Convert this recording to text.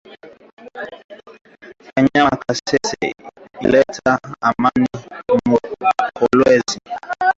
Kanyama kasese ilileta amani mu kolwezi